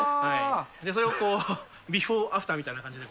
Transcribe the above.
それをこう、ビフォーアフターみたいな感じで。